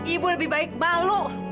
ibu lebih baik malu